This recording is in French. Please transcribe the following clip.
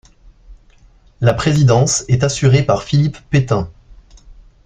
La présidence est assurée par Philippe Pétain.